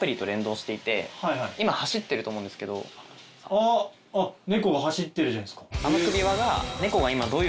あっ猫が走ってるじゃないですか。